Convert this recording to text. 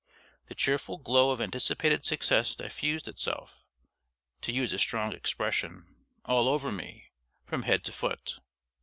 The cheerful glow of anticipated success diffused itself (to use a strong expression) all over me, from head to foot.